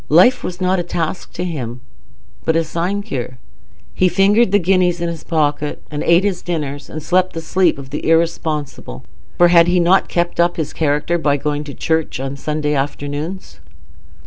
Life was not a task to him, but a sinecure. He fingered the guineas in his pocket, and ate his dinners, and slept the sleep of the irresponsible, for had he not kept up his character by going to church on the Sunday afternoons?